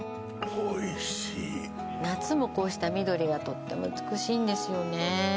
夏もこうした緑がとっても美しいんですよね